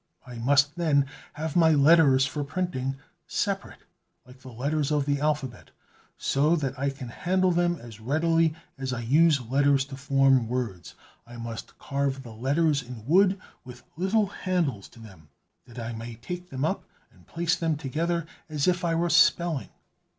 "I must, then, have my letters for printing, separate, like the letters of the alphabet, so that I can handle them as readily as I use letters to form words. I must carve the letters in wood with little handles to them, that I may take them up, and place them together as if I were spelling!"